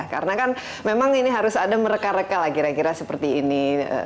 karena kan memang ini harus ada mereka reka lah kira kira seperti ini